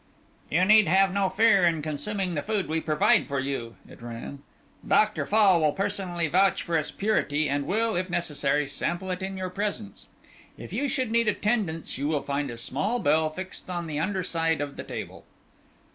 "You need have no fear in consuming the food we provide for you," it ran. "Dr. Fall will personally vouch for its purity, and will, if necessary, sample it in your presence. If you should need attendance you will find a small bell fixed on the under side of the table."